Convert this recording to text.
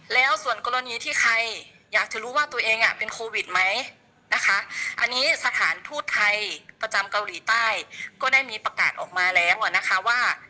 แล้วส่วนกรณีที่ใครอยากจะรู้ว่าตัวเองเป็นโควิดไหมนะคะอันนี้สถานทูตไทยประจำเกาหลีใต้ก็ได้มีประกาศออกมาแล้วนะคะว่า